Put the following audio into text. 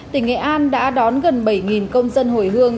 tỉnh nghệ an đã đón gần bảy công dân hồi hương